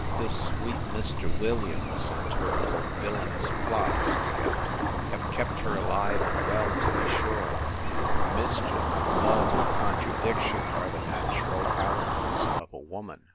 This sweet Mr. Williams, and her little villanous plots together, have kept her alive and well, to be sure: For mischief, love, and contradiction, are the natural aliments of a woman.